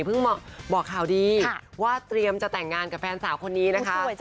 บอกข่าวดีว่าเตรียมจะแต่งงานกับแฟนสาวคนนี้นะคะ